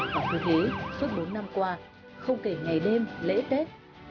trong tư thế suốt bốn năm qua không kể ngày đêm lễ tết